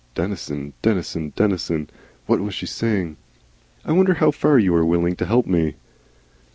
Denison, Denison, Denison. What was she saying?) "I wonder how far you are willing to help me?"